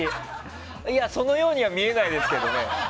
そのようには見えないですけどね。